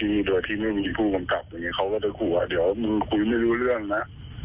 ที่มีตัวที่ไม่มีผู้กำกัดเขาก็จะกลัวว่าเดี๋ยวมึงคุยไม่รู้เรื่องนะ